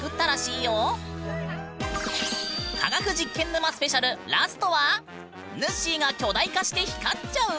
科学実験沼スペシャルラストはぬっしーが巨大化して光っちゃう？